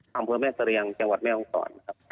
ความพูดแม่เสรียงจังหวัดแม่องศร